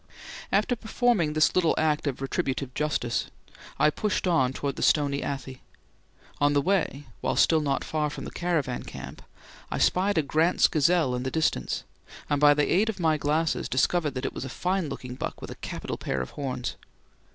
After performing this little act of retributive justice, I pushed on towards the Stony Athi. On the way while still not far from the caravan camp I spied a Grant's gazelle in the distance, and by the aid of my glasses discovered that it was a fine looking buck with a capital pair of horns.